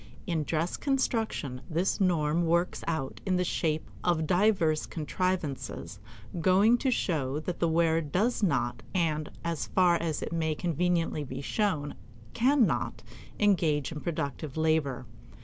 In dress construction this norm works out in the shape of divers contrivances going to show that the wearer does not and, as far as it may conveniently be shown, can not engage in productive labor.